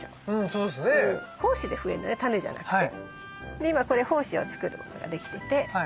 で今これ胞子を作るものができてて。